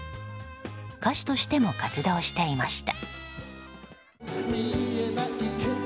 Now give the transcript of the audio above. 歌手としても活動していました。